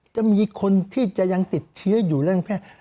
จะมีคนที่จะยังติดเชื้ออยู่เรื่องแพทย์